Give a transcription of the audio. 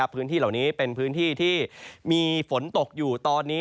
พื้นที่เหล่านี้เป็นพื้นที่ที่มีฝนตกอยู่ตอนนี้